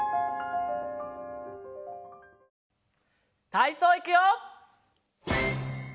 たいそういくよ！